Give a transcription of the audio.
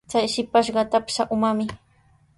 Chay shipashqa trapsa umami.